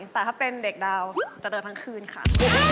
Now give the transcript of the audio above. แต่ถ้าเป็นเด็กดาวจะเดินทั้งคืนค่ะ